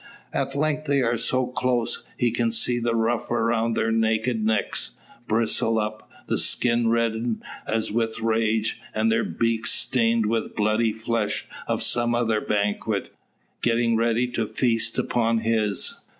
At length they are so close, he can see the ruff around their naked necks, bristled up; the skin reddened as with rage, and their beaks, stained with bloody flesh of some other banquet, getting ready to feast upon his.